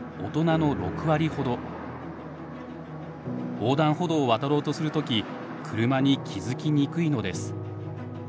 横断歩道を渡ろうとする時車に気付きにくいのです。